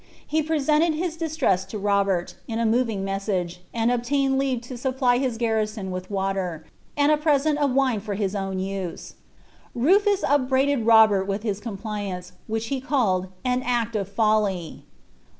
He represented his distress to Robert, in a moving message, and obtained leave to supply his garrison with water, and a present of wine for his own use. Rufus upbraided Robert with his compliance, which he called '•an act of folly."